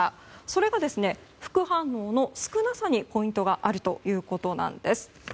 それが、副反応の少なさにポイントがあるということです。